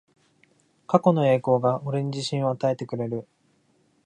過去の栄光が俺に自信を与えてくれる